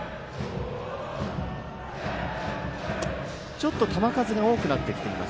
ちょっと球数が多くなってきています。